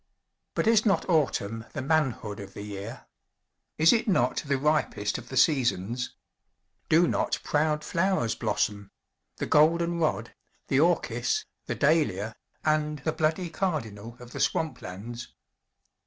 But is not Autumn the Manhood of the year? Is it not the ripest of the seasons? Do not proud flowers blossom, the golden rod, the orchis, the dahlia, and the bloody cardinal of the swamp lands?